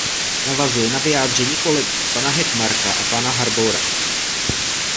Navazuji na vyjádření kolegů, pana Hökmarka a pana Harboura.